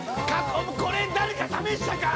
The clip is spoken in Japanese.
これ誰か試したか？